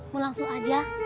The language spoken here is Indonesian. mau langsung aja